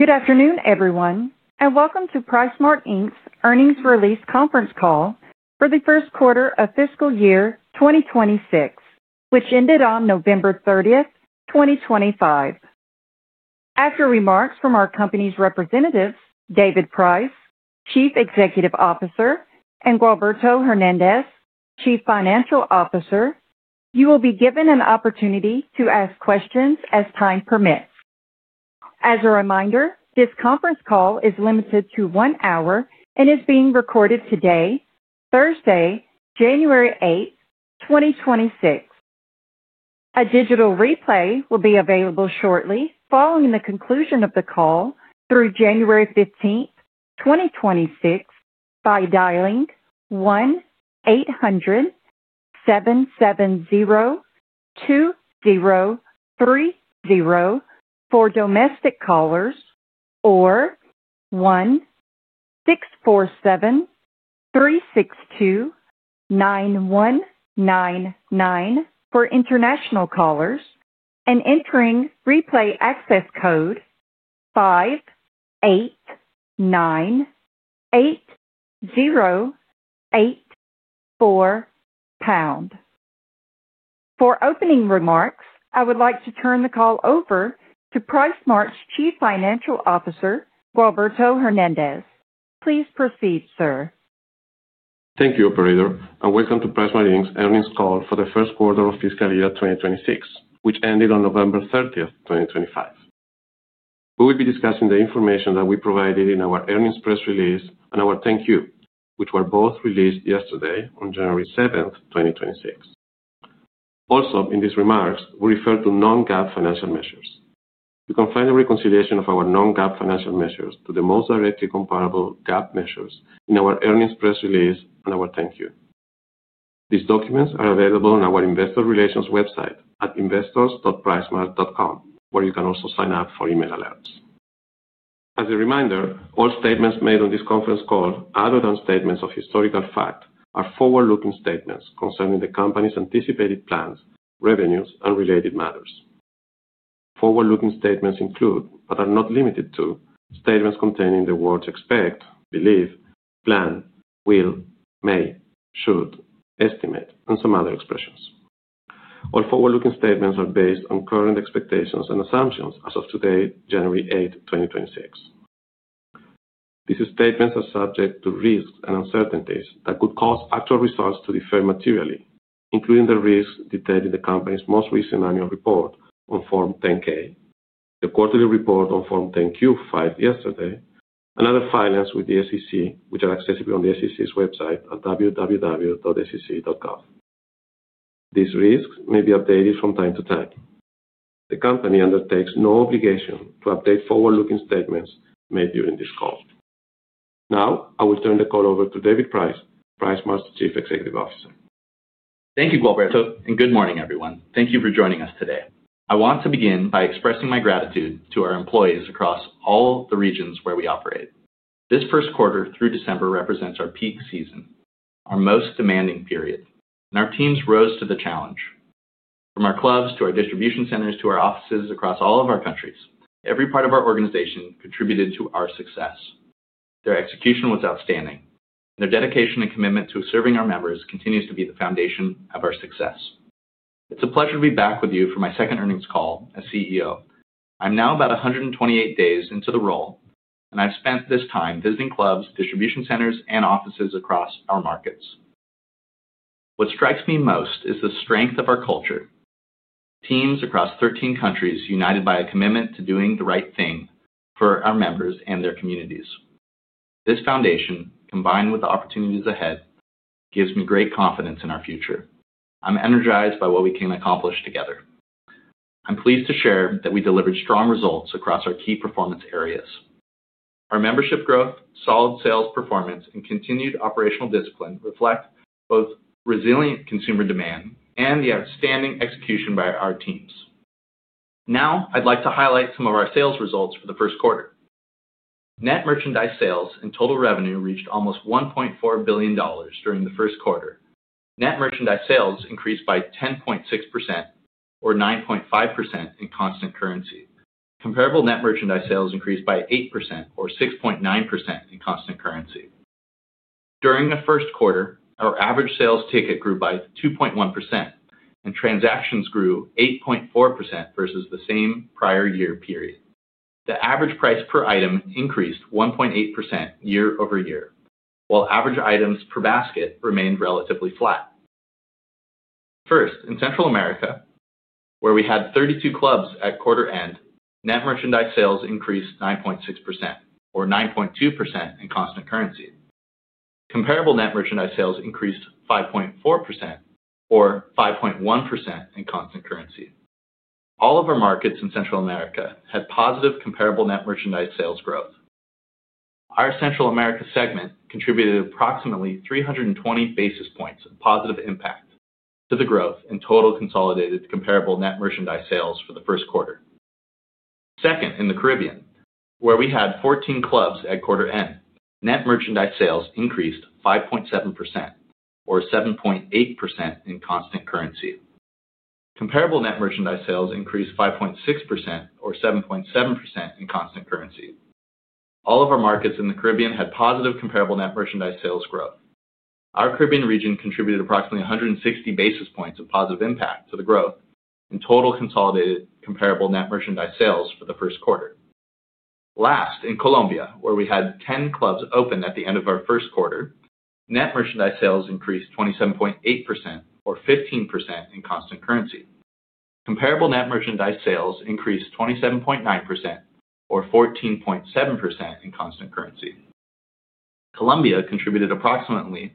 Good afternoon, everyone, and welcome to PriceSmart, Inc.'s Earnings Release Conference Call for the Q1 of Fiscal Year 2026, which ended on November 30, 2025. After remarks from our company's representatives, David Price, Chief Executive Officer, and Gualberto Hernandez, Chief Financial Officer, you will be given an opportunity to ask questions as time permits. As a reminder, this conference call is limited to one hour and is being recorded today, Thursday, January 8, 2026. A digital replay will be available shortly following the conclusion of the call through January 15, 2026, by dialing 1-800-770-2030 for domestic callers or 1-647-362-9199 for international callers, and entering replay access code 5898084#. For opening remarks, I would like to turn the call over to PriceSmart's Chief Financial Officer, Gualberto Hernandez. Please proceed, sir. Thank you, Operator, and welcome to PriceSmart, Inc.'s earnings call for the Q1 of fiscal year 2026, which ended on November 30, 2025. We will be discussing the information that we provided in our earnings press release and our 10-Q, which were both released yesterday, on January 7, 2026. Also, in these remarks, we refer to non-GAAP financial measures. You can find a reconciliation of our non-GAAP financial measures to the most directly comparable GAAP measures in our earnings press release and our 10-Q. These documents are available on our Investor Relations website at investors.pricesmart.com, where you can also sign up for email alerts. As a reminder, all statements made on this conference call, other than statements of historical fact, are forward-looking statements concerning the company's anticipated plans, revenues, and related matters. Forward-looking statements include, but are not limited to, statements containing the words expect, believe, plan, will, may, should, estimate, and some other expressions. All forward-looking statements are based on current expectations and assumptions as of today, January 8, 2026. These statements are subject to risks and uncertainties that could cause actual results to differ materially, including the risks detailed in the company's most recent annual report on Form 10-K, the quarterly report on Form 10-Q filed yesterday, and other filings with the SEC, which are accessible on the SEC's website at www.sec.gov. These risks may be updated from time to time. The company undertakes no obligation to update forward-looking statements made during this call. Now, I will turn the call over to David Price, PriceSmart's Chief Executive Officer. Thank you, Gualberto, and good morning, everyone. Thank you for joining us today. I want to begin by expressing my gratitude to our employees across all the regions where we operate. This Q1 through December represents our peak season, our most demanding period, and our teams rose to the challenge. From our clubs to our distribution centers to our offices across all of our countries, every part of our organization contributed to our success. Their execution was outstanding, and their dedication and commitment to serving our members continues to be the foundation of our success. It's a pleasure to be back with you for my second earnings call as CEO. I'm now about 128 days into the role, and I've spent this time visiting clubs, distribution centers, and offices across our markets. What strikes me most is the strength of our culture: teams across 13 countries united by a commitment to doing the right thing for our members and their communities. This foundation, combined with the opportunities ahead, gives me great confidence in our future. I'm energized by what we can accomplish together. I'm pleased to share that we delivered strong results across our key performance areas. Our membership growth, solid sales performance, and continued operational discipline reflect both resilient consumer demand and the outstanding execution by our teams. Now, I'd like to highlight some of our sales results for the Q1. Net merchandise sales and total revenue reached almost $1.4 billion during the Q1. Net merchandise sales increased by 10.6%, or 9.5% in constant currency. Comparable net merchandise sales increased by 8%, or 6.9% in constant currency. During the Q1, our average sales ticket grew by 2.1%, and transactions grew 8.4% versus the same prior year period. The average price per item increased 1.8% year over year, while average items per basket remained relatively flat. First, in Central America, where we had 32 clubs at quarter end, net merchandise sales increased 9.6%, or 9.2% in constant currency. Comparable net merchandise sales increased 5.4%, or 5.1% in constant currency. All of our markets in Central America had positive comparable net merchandise sales growth. Our Central America segment contributed approximately 320 basis points of positive impact to the growth in total consolidated comparable net merchandise sales for the Q1. Second, in the Caribbean, where we had 14 clubs at quarter end, net merchandise sales increased 5.7%, or 7.8% in constant currency. Comparable net merchandise sales increased 5.6%, or 7.7% in constant currency. All of our markets in the Caribbean had positive comparable net merchandise sales growth. Our Caribbean region contributed approximately 160 basis points of positive impact to the growth in total consolidated comparable net merchandise sales for the Q1. Last, in Colombia, where we had 10 clubs open at the end of our Q1, net merchandise sales increased 27.8%, or 15% in constant currency. Comparable net merchandise sales increased 27.9%, or 14.7% in constant currency. Colombia contributed approximately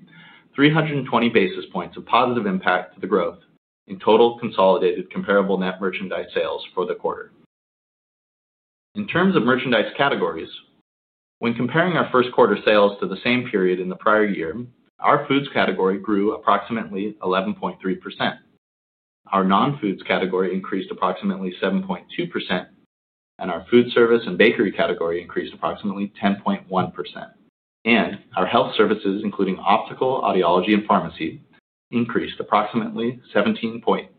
320 basis points of positive impact to the growth in total consolidated comparable net merchandise sales for the quarter. In terms of merchandise categories, when comparing our Q1 sales to the same period in the prior year, our foods category grew approximately 11.3%. Our non-foods category increased approximately 7.2%, and our food service and bakery category increased approximately 10.1%. Our health services, including optical, audiology, and pharmacy, increased approximately 17.8%.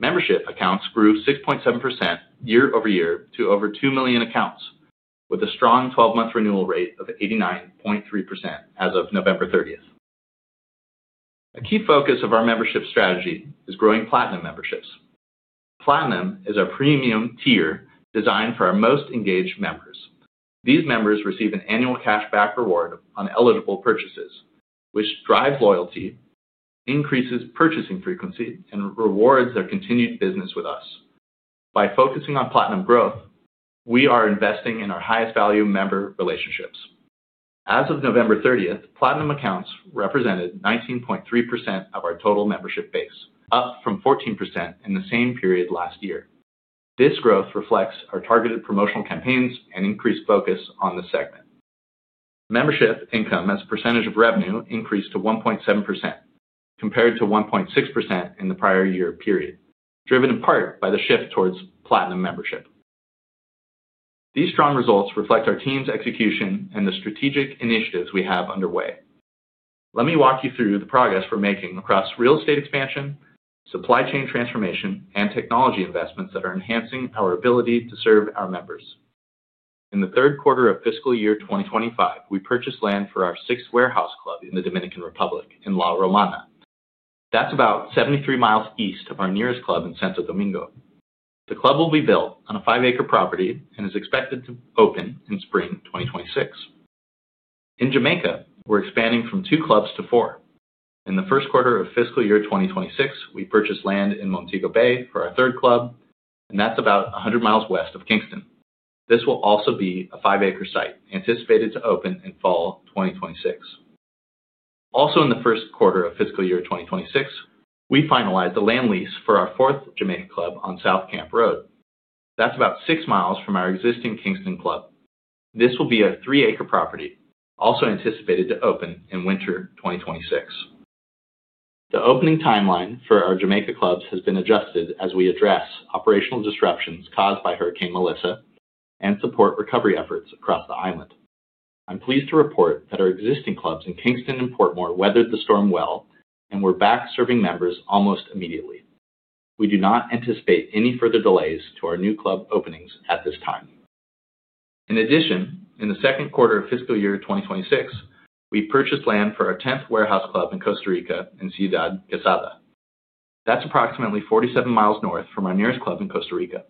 Membership accounts grew 6.7% year over year to over 2 million accounts, with a strong 12-month renewal rate of 89.3% as of November 30. A key focus of our membership strategy is growing Platinum memberships. Platinum is our premium tier designed for our most engaged members. These members receive an annual cashback reward on eligible purchases, which drives loyalty, increases purchasing frequency, and rewards their continued business with us. By focusing on Platinum growth, we are investing in our highest value member relationships. As of November 30, Platinum accounts represented 19.3% of our total membership base, up from 14% in the same period last year. This growth reflects our targeted promotional campaigns and increased focus on the segment. Membership income as a percentage of revenue increased to 1.7%, compared to 1.6% in the prior year period, driven in part by the shift towards Platinum Membership. These strong results reflect our team's execution and the strategic initiatives we have underway. Let me walk you through the progress we're making across real estate expansion, supply chain transformation, and technology investments that are enhancing our ability to serve our members. In the Q3 of fiscal year 2025, we purchased land for our sixth warehouse club in the Dominican Republic, in La Romana. That's about 73 miles east of our nearest club in Santo Domingo. The club will be built on a five-acre property and is expected to open in spring 2026. In Jamaica, we're expanding from two clubs to four. In the Q1 of fiscal year 2026, we purchased land in Montego Bay for our third club, and that's about 100 miles west of Kingston. This will also be a five-acre site, anticipated to open in fall 2026. Also, in the Q1 of fiscal year 2026, we finalized a land lease for our fourth Jamaica club on South Camp Road. That's about six miles from our existing Kingston club. This will be a three-acre property, also anticipated to open in winter 2026. The opening timeline for our Jamaica clubs has been adjusted as we address operational disruptions caused by Hurricane Melissa and support recovery efforts across the island. I'm pleased to report that our existing clubs in Kingston and Portmore weathered the storm well and were back serving members almost immediately. We do not anticipate any further delays to our new club openings at this time. In addition, in the Q2 of Fiscal Year 2026, we purchased land for our tenth warehouse club in Costa Rica in Ciudad Quesada. That's approximately 47 mi north from our nearest club in Costa Rica.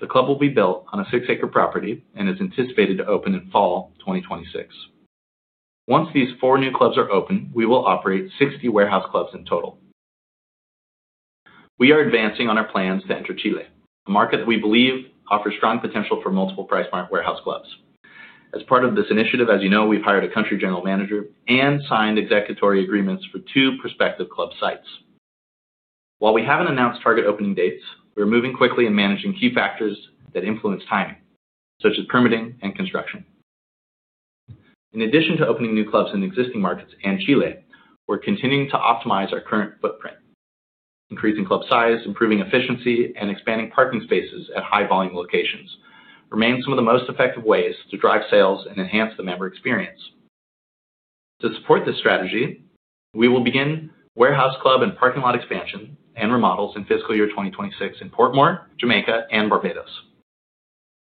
The club will be built on a six-acre property and is anticipated to open in fall 2026. Once these four new clubs are open, we will operate 60 warehouse clubs in total. We are advancing on our plans to enter Chile, a market that we believe offers strong potential for multiple PriceSmart warehouse clubs. As part of this initiative, as you know, we've hired a country general manager and signed executive agreements for two prospective club sites. While we haven't announced target opening dates, we're moving quickly and managing key factors that influence timing, such as permitting and construction. In addition to opening new clubs in existing markets and Chile, we're continuing to optimize our current footprint. Increasing club size, improving efficiency, and expanding parking spaces at high-volume locations remain some of the most effective ways to drive sales and enhance the member experience. To support this strategy, we will begin warehouse club and parking lot expansion and remodels in fiscal year 2026 in Portmore, Jamaica, and Barbados.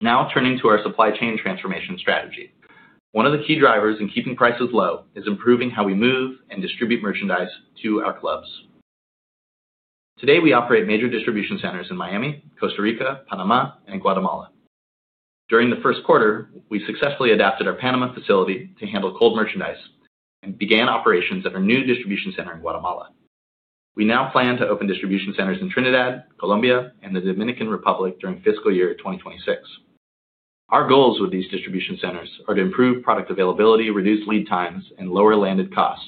Now, turning to our supply chain transformation strategy. One of the key drivers in keeping prices low is improving how we move and distribute merchandise to our clubs. Today, we operate major distribution centers in Miami, Costa Rica, Panama, and Guatemala. During the Q1, we successfully adapted our Panama facility to handle cold merchandise and began operations at our new distribution center in Guatemala. We now plan to open distribution centers in Trinidad, Colombia, and the Dominican Republic during fiscal year 2026. Our goals with these distribution centers are to improve product availability, reduce lead times, and lower landed costs,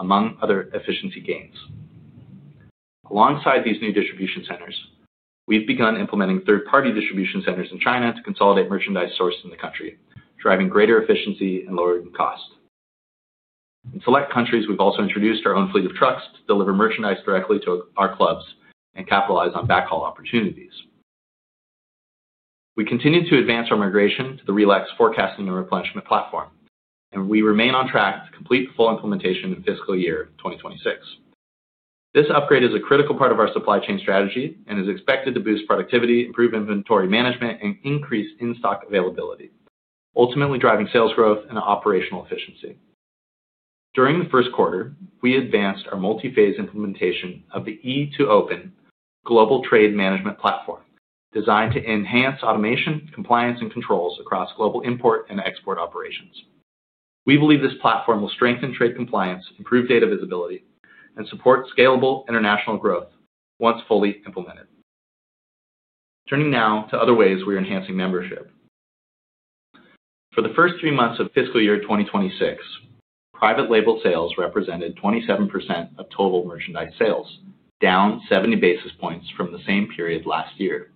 among other efficiency gains. Alongside these new distribution centers, we've begun implementing third-party distribution centers in China to consolidate merchandise sourced in the country, driving greater efficiency and lowering costs. In select countries, we've also introduced our own fleet of trucks to deliver merchandise directly to our clubs and capitalize on backhaul opportunities. We continue to advance our migration to the RELEX forecasting and replenishment platform, and we remain on track to complete the full implementation in fiscal year 2026. This upgrade is a critical part of our supply chain strategy and is expected to boost productivity, improve inventory management, and increase in-stock availability, ultimately driving sales growth and operational efficiency. During the Q1, we advanced our multi-phase implementation of the E2open Global Trade Management Platform, designed to enhance automation, compliance, and controls across global import and export operations. We believe this platform will strengthen trade compliance, improve data visibility, and support scalable international growth once fully implemented. Turning now to other ways we're enhancing membership. For the first three months of fiscal year 2026, private label sales represented 27% of total merchandise sales, down 70 basis points from the same period last year.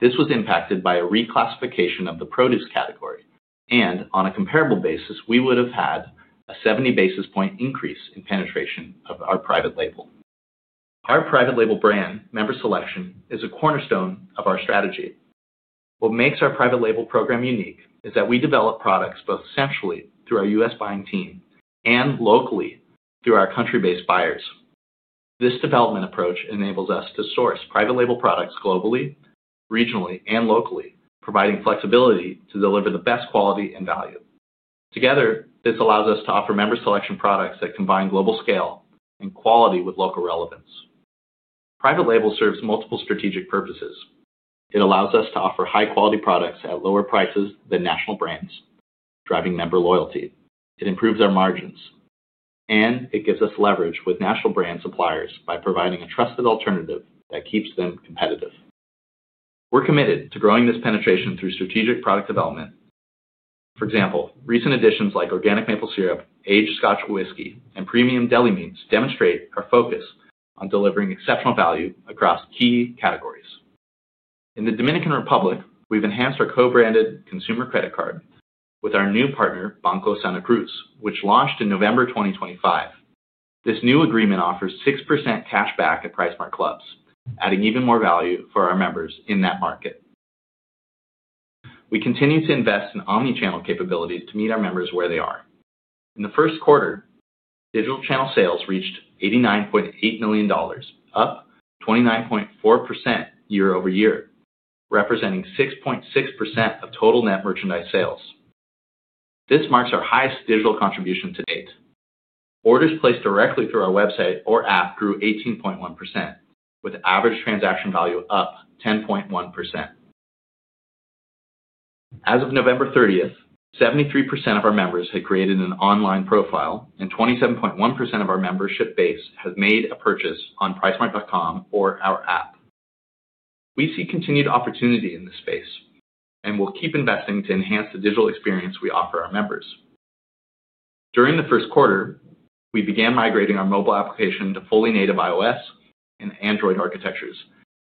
This was impacted by a reclassification of the produce category, and on a comparable basis, we would have had a 70 basis point increase in penetration of our private label. Our private label brand, Member Selection, is a cornerstone of our strategy. What makes our private label program unique is that we develop products both centrally through our U.S. buying team and locally through our country-based buyers. This development approach enables us to source private label products globally, regionally, and locally, providing flexibility to deliver the best quality and value. Together, this allows us to offer Member Selection products that combine global scale and quality with local relevance. Private label serves multiple strategic purposes. It allows us to offer high-quality products at lower prices than national brands, driving member loyalty. It improves our margins, and it gives us leverage with national brand suppliers by providing a trusted alternative that keeps them competitive. We're committed to growing this penetration through strategic product development. For example, recent additions like organic maple syrup, aged Scotch whiskey, and premium deli meats demonstrate our focus on delivering exceptional value across key categories. In the Dominican Republic, we've enhanced our co-branded consumer credit card with our new partner, Banco Santa Cruz, which launched in November 2025. This new agreement offers 6% cashback at PriceSmart clubs, adding even more value for our members in that market. We continue to invest in omnichannel capabilities to meet our members where they are. In the Q1, digital channel sales reached $89.8 million, up 29.4% year over year, representing 6.6% of total net merchandise sales. This marks our highest digital contribution to date. Orders placed directly through our website or app grew 18.1%, with average transaction value up 10.1%. As of November 30, 73% of our members had created an online profile, and 27.1% of our membership base has made a purchase on pricesmart.com or our app. We see continued opportunity in this space and will keep investing to enhance the digital experience we offer our members. During the Q1, we began migrating our mobile application to fully native iOS and Android architectures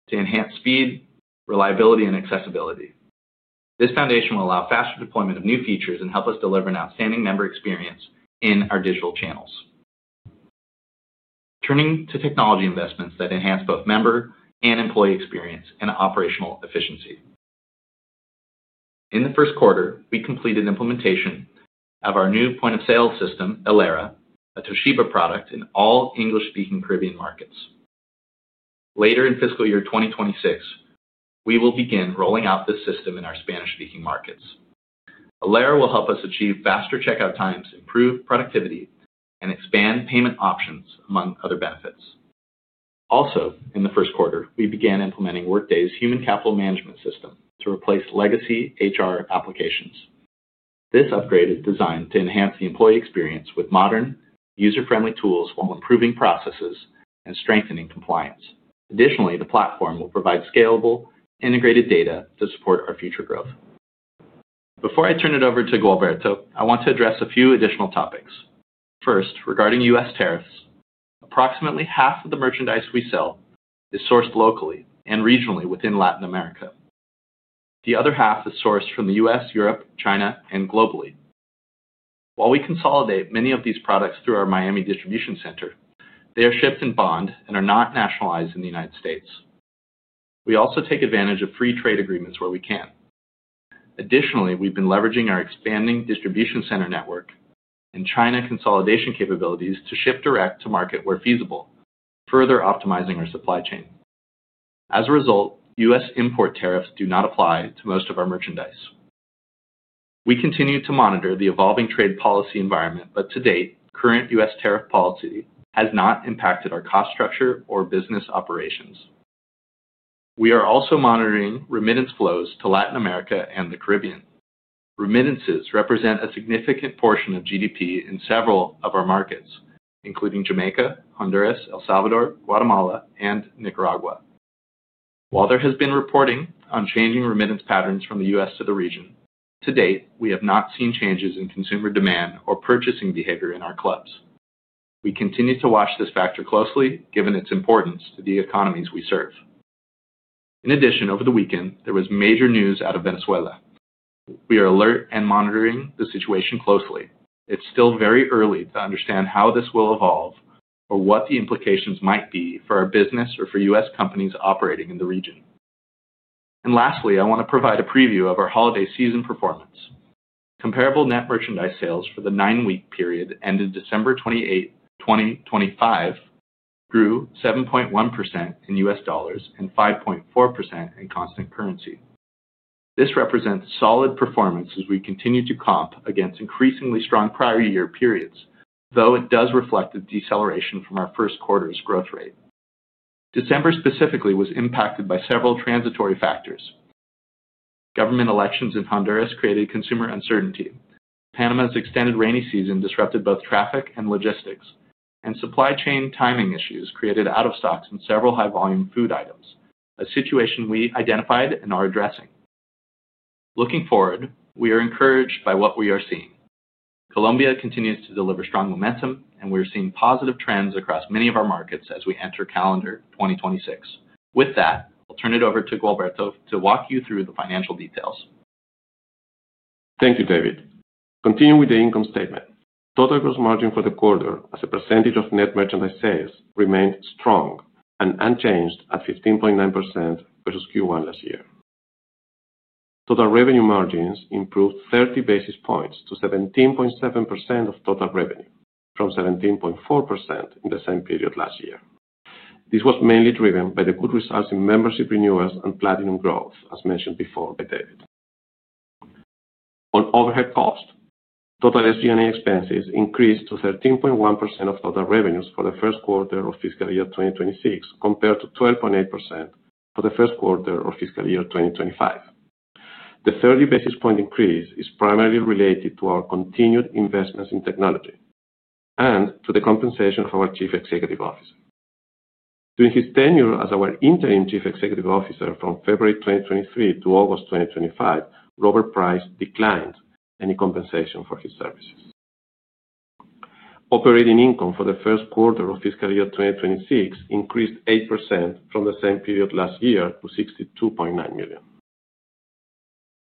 to enhance speed, reliability, and accessibility. This foundation will allow faster deployment of new features and help us deliver an outstanding member experience in our digital channels. Turning to technology investments that enhance both member and employee experience and operational efficiency. In the Q1, we completed implementation of our new point of sale system, ELERA, a Toshiba product in all English-speaking Caribbean markets. Later in fiscal year 2026, we will begin rolling out this system in our Spanish-speaking markets. ELERA will help us achieve faster checkout times, improve productivity, and expand payment options, among other benefits. Also, in the Q1, we began implementing Workday's human capital management system to replace legacy HR applications. This upgrade is designed to enhance the employee experience with modern, user-friendly tools while improving processes and strengthening compliance. Additionally, the platform will provide scalable, integrated data to support our future growth. Before I turn it over to Gualberto, I want to address a few additional topics. First, regarding U.S. tariffs, approximately half of the merchandise we sell is sourced locally and regionally within Latin America. The other half is sourced from the U.S., Europe, China, and globally. While we consolidate many of these products through our Miami distribution center, they are shipped in bond and are not nationalized in the United States. We also take advantage of free trade agreements where we can. Additionally, we've been leveraging our expanding distribution center network and China consolidation capabilities to ship direct to market where feasible, further optimizing our supply chain. As a result, U.S. Import tariffs do not apply to most of our merchandise. We continue to monitor the evolving trade policy environment, but to date, current U.S. tariff policy has not impacted our cost structure or business operations. We are also monitoring remittance flows to Latin America and the Caribbean. Remittances represent a significant portion of GDP in several of our markets, including Jamaica, Honduras, El Salvador, Guatemala, and Nicaragua. While there has been reporting on changing remittance patterns from the U.S. to the region, to date, we have not seen changes in consumer demand or purchasing behavior in our clubs. We continue to watch this factor closely, given its importance to the economies we serve. In addition, over the weekend, there was major news out of Venezuela. We are alert and monitoring the situation closely. It's still very early to understand how this will evolve or what the implications might be for our business or for U.S. companies operating in the region. And lastly, I want to provide a preview of our holiday season performance. Comparable net merchandise sales for the nine-week period ended December 28, 2025, grew 7.1% in U.S. dollars and 5.4% in constant currency. This represents solid performance as we continue to comp against increasingly strong prior year periods, though it does reflect a deceleration from our Q1's growth rate. December specifically was impacted by several transitory factors. Government elections in Honduras created consumer uncertainty. Panama's extended rainy season disrupted both traffic and logistics, and supply chain timing issues created out-of-stocks in several high-volume food items, a situation we identified and are addressing. Looking forward, we are encouraged by what we are seeing. Colombia continues to deliver strong momentum, and we're seeing positive trends across many of our markets as we enter calendar 2026. With that, I'll turn it over to Gualberto to walk you through the financial details. Thank you, David. Continuing with the income statement, total gross margin for the quarter as a percentage of net merchandise sales remained strong and unchanged at 15.9% versus Q1 last year. Total revenue margins improved 30 basis points to 17.7% of total revenue, from 17.4% in the same period last year. This was mainly driven by the good results in membership renewals and platinum growth, as mentioned before by David. On overhead cost, total SG&A expenses increased to 13.1% of total revenues for the Q1 of fiscal year 2026, compared to 12.8% for the Q1 of fiscal year 2025. The 30 basis points increase is primarily related to our continued investments in technology and to the compensation of our Chief Executive Officer. During his tenure as our interim Chief Executive Officer from February 2023 to August 2025, Robert Price declined any compensation for his services. Operating income for the Q1 of fiscal year 2026 increased 8% from the same period last year to $62.9 million.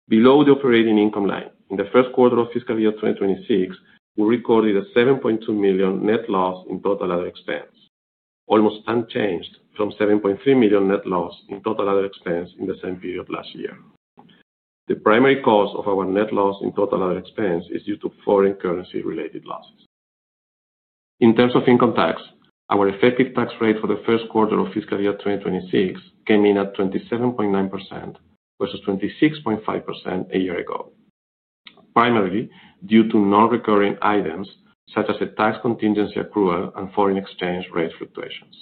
Below the operating income line, in the Q1 of fiscal year 2026, we recorded a $7.2 million net loss in total other expense, almost unchanged from $7.3 million net loss in total other expense in the same period last year. The primary cause of our net loss in total other expense is due to foreign currency-related losses. In terms of income tax, our effective tax rate for the Q1 of fiscal year 2026 came in at 27.9% versus 26.5% a year ago, primarily due to non-recurring items such as a tax contingency accrual and foreign exchange rate fluctuations.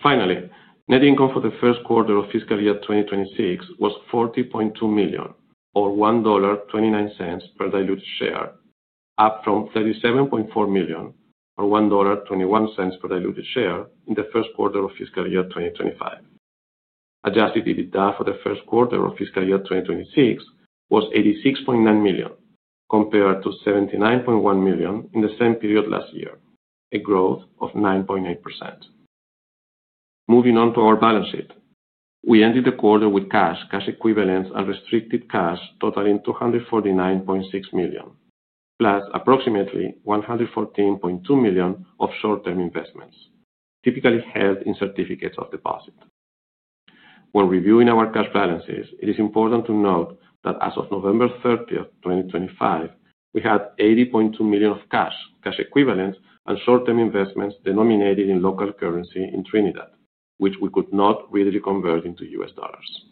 Finally, net income for the Q1 of fiscal year 2026 was $40.2 million, or $1.29 per diluted share, up from $37.4 million, or $1.21 per diluted share, in the Q1 of fiscal year 2025. Adjusted EBITDA for the Q1 of fiscal year 2026 was $86.9 million, compared to $79.1 million in the same period last year, a growth of 9.8%. Moving on to our balance sheet, we ended the quarter with cash, cash equivalents, and restricted cash totaling $249.6 million, plus approximately $114.2 million of short-term investments, typically held in certificates of deposit. When reviewing our cash balances, it is important to note that as of November 30, 2025, we had TTD 80.2 million of cash, cash equivalents, and short-term investments denominated in local currency in Trinidad, which we could not readily convert into U.S. dollars.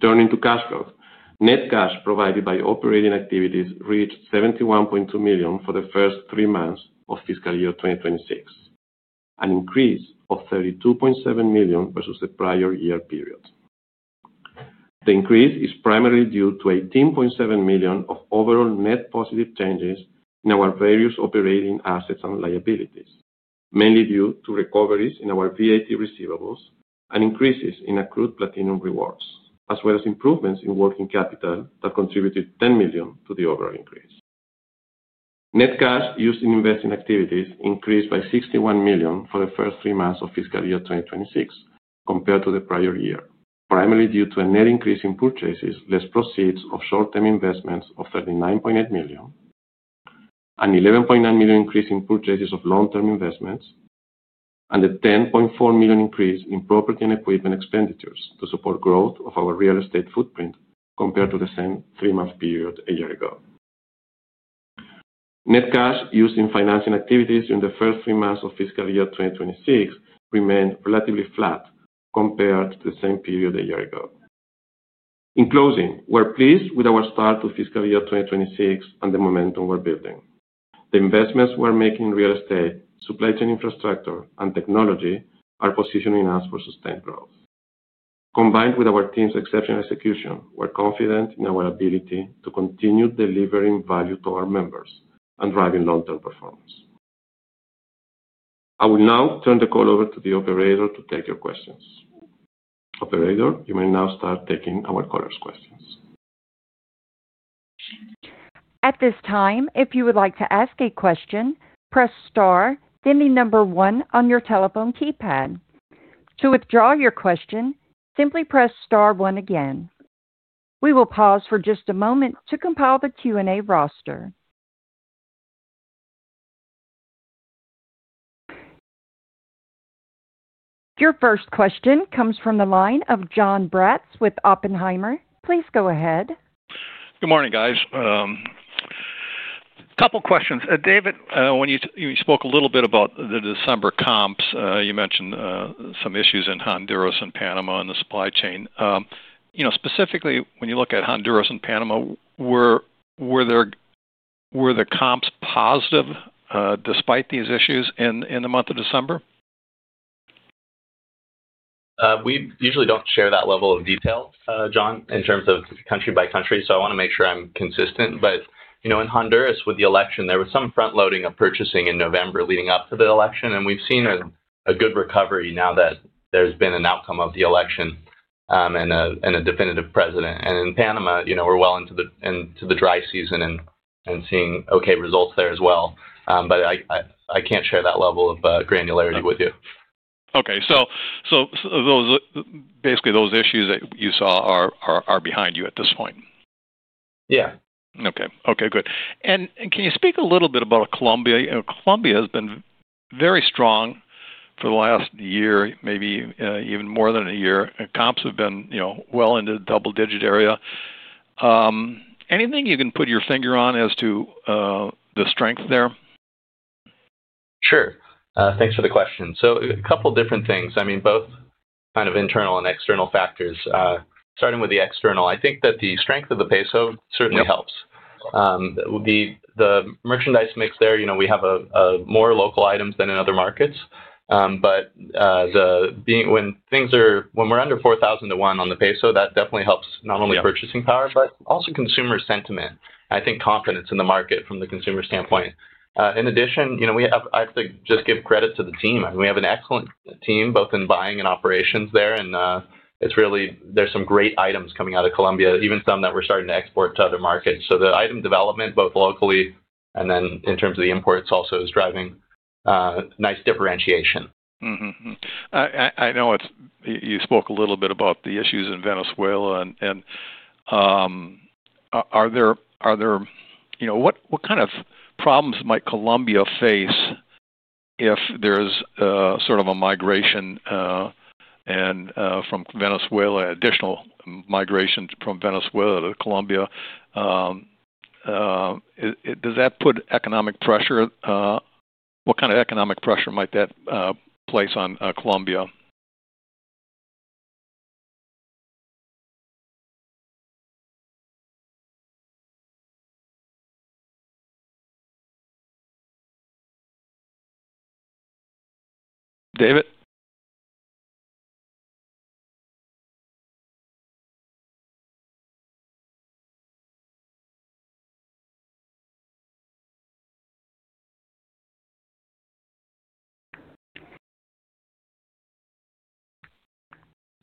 Turning to cash flow, net cash provided by operating activities reached $71.2 million for the first three months of fiscal year 2026, an increase of $32.7 million versus the prior year period. The increase is primarily due to $18.7 million of overall net positive changes in our various operating assets and liabilities, mainly due to recoveries in our VAT receivables and increases in accrued platinum rewards, as well as improvements in working capital that contributed $10 million to the overall increase. Net cash used in investing activities increased by $61 million for the first three months of fiscal year 2026, compared to the prior year, primarily due to a net increase in purchases, less proceeds of short-term investments of $39.8 million, an $11.9 million increase in purchases of long-term investments, and a $10.4 million increase in property and equipment expenditures to support growth of our real estate footprint compared to the same three-month period a year ago. Net cash used in financing activities during the first three months of fiscal year 2026 remained relatively flat compared to the same period a year ago. In closing, we're pleased with our start to fiscal year 2026 and the momentum we're building. The investments we're making in real estate, supply chain infrastructure, and technology are positioning us for sustained growth. Combined with our team's exceptional execution, we're confident in our ability to continue delivering value to our members and driving long-term performance. I will now turn the call over to the operator to take your questions. Operator, you may now start taking our callers' questions. At this time, if you would like to ask a question, press Star, then the number one on your telephone keypad. To withdraw your question, simply press Star one again. We will pause for just a moment to compile the Q&A roster. Your first question comes from the line of John Baugh with Oppenheimer. Please go ahead. Good morning, guys. A couple of questions. David, when you spoke a little bit about the December comps, you mentioned some issues in Honduras and Panama in the supply chain. Specifically, when you look at Honduras and Panama, were the comps positive despite these issues in the month of December? We usually don't share that level of detail, John, in terms of country by country, so I want to make sure I'm consistent, but in Honduras, with the election, there was some front-loading of purchasing in November leading up to the election, and we've seen a good recovery now that there's been an outcome of the election and a definitive president, and in Panama, we're well into the dry season and seeing okay results there as well, but I can't share that level of granularity with you. Okay. So basically, those issues that you saw are behind you at this point? Yeah. Okay. Okay. Good, and can you speak a little bit about Colombia? Colombia has been very strong for the last year, maybe even more than a year. Comps have been well into the double-digit area. Anything you can put your finger on as to the strength there? Sure. Thanks for the question. So a couple of different things. I mean, both kind of internal and external factors. Starting with the external, I think that the strength of the peso certainly helps. The merchandise mix there, we have more local items than in other markets. But when we're under 4,000-to-1 on the peso, that definitely helps not only purchasing power, but also consumer sentiment. I think confidence in the market from the consumer standpoint. In addition, I have to just give credit to the team. We have an excellent team, both in buying and operations there. And there's some great items coming out of Colombia, even some that we're starting to export to other markets. So the item development, both locally and then in terms of the imports also, is driving nice differentiation. I know you spoke a little bit about the issues in Venezuela. And what kind of problems might Colombia face if there's sort of a migration from Venezuela, additional migration from Venezuela to Colombia? Does that put economic pressure? What kind of economic pressure might that place on Colombia? David?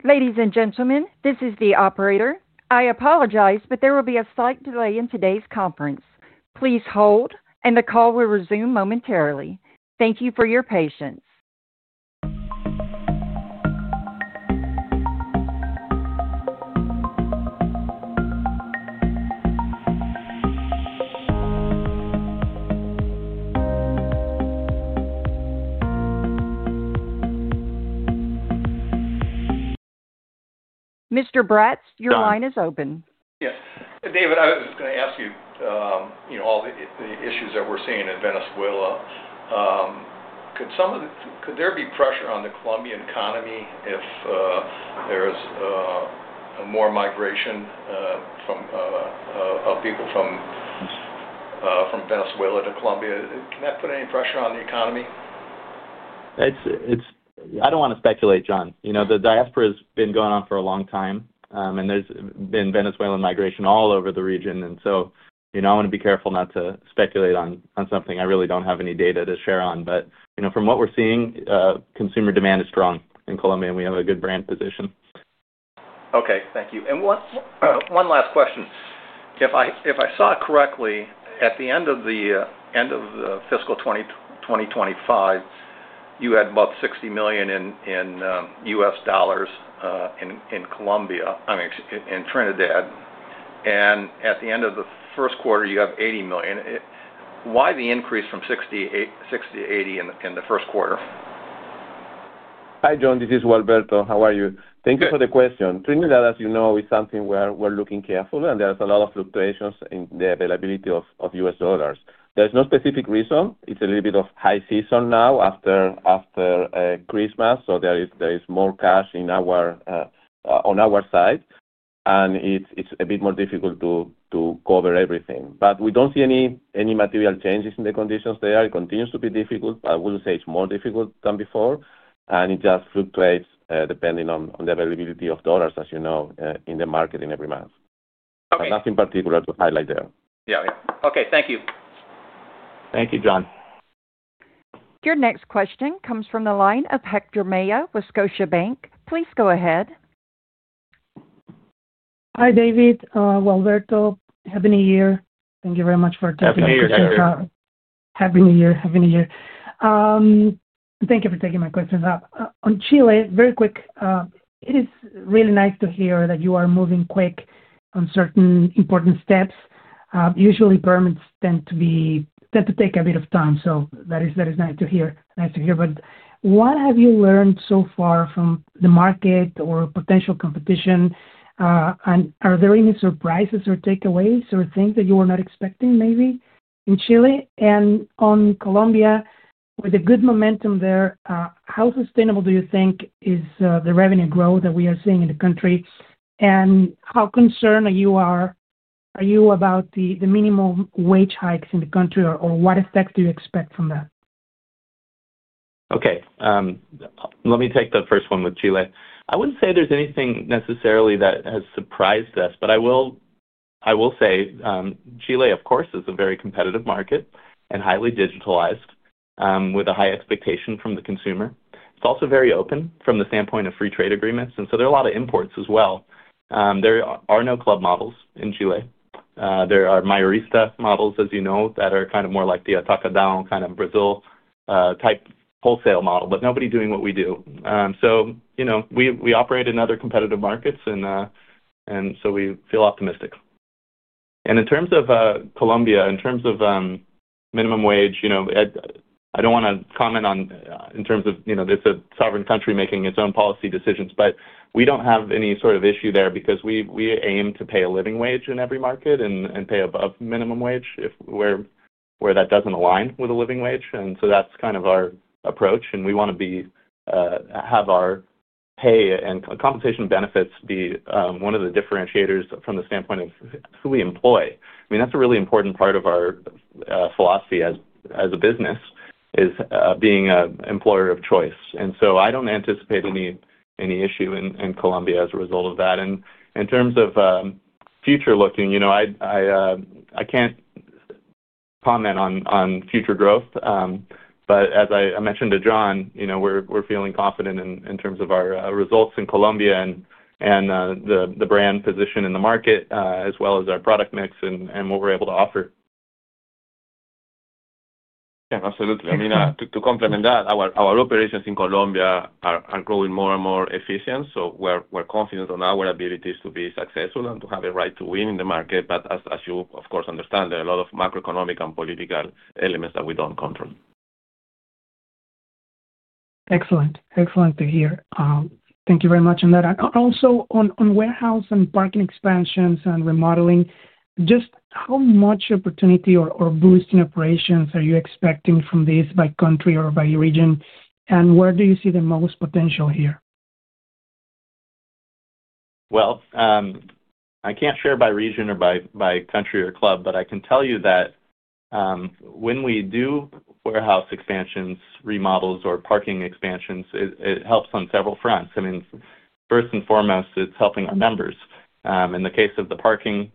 Ladies and gentlemen, this is the operator. I apologize, but there will be a slight delay in today's conference. Please hold, and the call will resume momentarily. Thank you for your patience. Mr. Baugh, your line is open. Yes. David, I was going to ask you about all the issues that we're seeing in Venezuela. Could there be pressure on the Colombian economy if there's more migration of people from Venezuela to Colombia? Can that put any pressure on the economy? I don't want to speculate, John. The diaspora has been going on for a long time, and there's been Venezuelan migration all over the region. And so I want to be careful not to speculate on something I really don't have any data to share on. But from what we're seeing, consumer demand is strong in Colombia, and we have a good brand position. Okay. Thank you. And one last question. If I saw correctly, at the end of fiscal 2025, you had about $60 million in U.S. dollars in Colombia, I mean, in Trinidad. And at the end of the Q1, you have $80 million. Why the increase from 60 to 80 in the Q1? Hi, John. This is Gualberto. How are you? Thank you for the question. Trinidad, as you know, is something we're looking carefully, and there's a lot of fluctuations in the availability of U.S. dollars. There's no specific reason. It's a little bit of high season now after Christmas, so there is more cash on our side, and it's a bit more difficult to cover everything. But we don't see any material changes in the conditions there. It continues to be difficult, but I will say it's more difficult than before, and it just fluctuates depending on the availability of dollars, as you know, in the market in every month. Nothing particular to highlight there. Yeah. Okay. Thank you. Thank you, John. Your next question comes from the line of Hector Maya, Scotiabank. Please go ahead. Hi, David. Gualberto. Happy New Year. Thank you very much for taking the time. Happy New Year, David. Happy New Year. Happy New Year. Thank you for taking my questions up. On Chile, very quick, it is really nice to hear that you are moving quick on certain important steps. Usually, permits tend to take a bit of time, so that is nice to hear. Nice to hear, but what have you learned so far from the market or potential competition, and are there any surprises or takeaways or things that you were not expecting, maybe, in Chile, and on Colombia, with the good momentum there, how sustainable do you think is the revenue growth that we are seeing in the country, and how concerned are you about the minimum wage hikes in the country, or what effect do you expect from that? Okay. Let me take the first one with Chile. I wouldn't say there's anything necessarily that has surprised us, but I will say Chile, of course, is a very competitive market and highly digitalized, with a high expectation from the consumer. It's also very open from the standpoint of free trade agreements, and so there are a lot of imports as well. There are no club models in Chile. There are Mayorista models, as you know, that are kind of more like the Atacadão kind of Brazil-type wholesale model, but nobody doing what we do. So we operate in other competitive markets, and so we feel optimistic. And in terms of Colombia, in terms of minimum wage, I don't want to comment on in terms of it's a sovereign country making its own policy decisions, but we don't have any sort of issue there because we aim to pay a living wage in every market and pay above minimum wage where that doesn't align with a living wage. And so that's kind of our approach, and we want to have our pay and compensation benefits be one of the differentiators from the standpoint of who we employ. I mean, that's a really important part of our philosophy as a business, is being an employer of choice. And so I don't anticipate any issue in Colombia as a result of that. And in terms of forward-looking, I can't comment on future growth, but as I mentioned to John, we're feeling confident in terms of our results in Colombia and the brand position in the market, as well as our product mix and what we're able to offer. Yeah. Absolutely. I mean, to complement that, our operations in Colombia are growing more and more efficient, so we're confident on our abilities to be successful and to have a right to win in the market. But as you, of course, understand, there are a lot of macroeconomic and political elements that we don't control. Excellent. Excellent to hear. Thank you very much on that. And also, on warehouse and parking expansions and remodeling, just how much opportunity or boost in operations are you expecting from this by country or by region? And where do you see the most potential here? I can't share by region or by country or club, but I can tell you that when we do warehouse expansions, remodels, or parking expansions, it helps on several fronts. I mean, first and foremost, it's helping our members. In the case of the parking,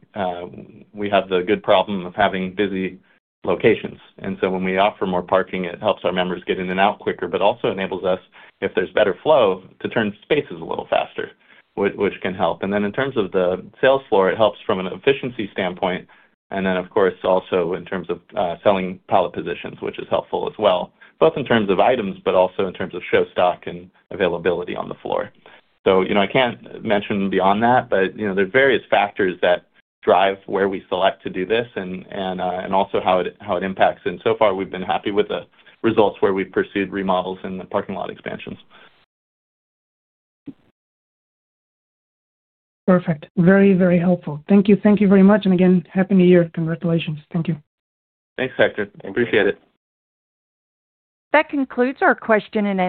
we have the good problem of having busy locations. And so when we offer more parking, it helps our members get in and out quicker, but also enables us, if there's better flow, to turn spaces a little faster, which can help. And then in terms of the sales floor, it helps from an efficiency standpoint. And then, of course, also in terms of selling pallet positions, which is helpful as well, both in terms of items, but also in terms of show stock and availability on the floor. So I can't mention beyond that, but there are various factors that drive where we select to do this and also how it impacts, and so far, we've been happy with the results where we've pursued remodels and parking lot expansions. Perfect. Very, very helpful. Thank you. Thank you very much, and again, Happy New Year. Congratulations. Thank you. Thanks, Hector. Appreciate it. That concludes our Q&A.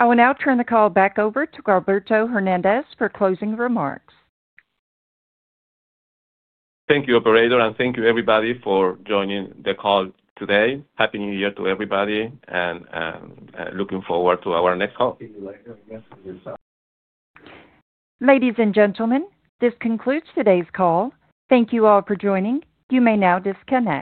I will now turn the call back over to Gualberto Hernandez for closing remarks. Thank you, Operator, and thank you, everybody, for joining the call today. Happy New Year to everybody, and looking forward to our next call. Ladies and gentlemen, this concludes today's call. Thank you all for joining. You may now disconnect.